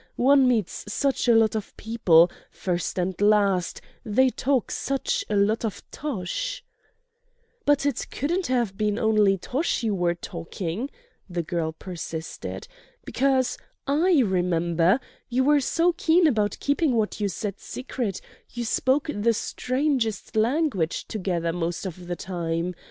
One meets such a lot of people, first and last, they talk such a lot of tosh—" "But it couldn't have been only tosh you were talking," the girl persisted, "because—I remember—you were so keen about keeping what you said secret, you spoke the strangest language together most of the time.